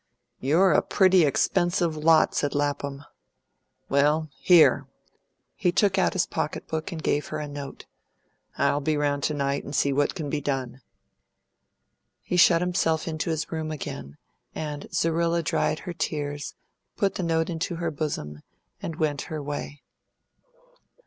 "You're a pretty expensive lot," said Lapham. "Well, here!" He took out his pocket book and gave her a note. "I'll be round to night and see what can be done." He shut himself into his room again, and Zerrilla dried her tears, put the note into her bosom, and went her way.